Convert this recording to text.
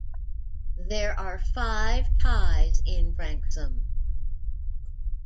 There are five ties in Branksome.